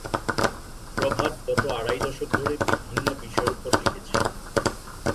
প্রভাত গত আড়াই দশক ধরে বিভিন্ন বিষয়ের উপর লিখেছেন।